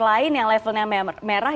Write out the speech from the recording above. lain yang levelnya merah